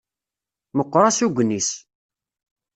Meqqer asugen-is.